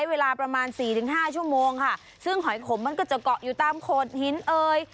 เวลาประมาณสี่ถึงห้าชั่วโมงค่ะซึ่งหอยขมมันก็จะเกาะอยู่ตามโขดหินเอ่ย